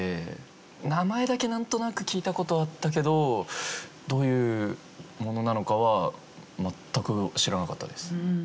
名前だけなんとなく聞いた事はあったけどどういうものなのかは全く知らなかったです。